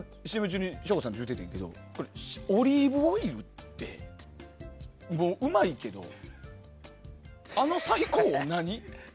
ＣＭ中に言ってたけどオリーブオイルってうまいけどあの最高、何？